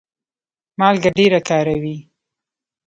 مالګه ډیره کاروئ؟